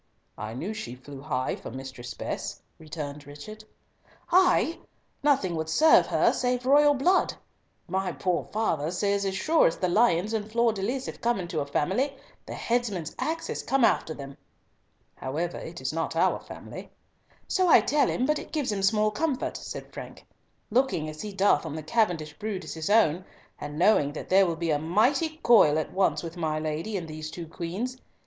"I knew she flew high for Mistress Bess," returned Richard. "High! nothing would serve her save royal blood! My poor father says as sure as the lions and fleur de lis have come into a family, the headsman's axe has come after them." "However it is not our family." "So I tell him, but it gives him small comfort," said Frank, "looking as he doth on the Cavendish brood as his own, and knowing that there will be a mighty coil at once with my lady and these two queens.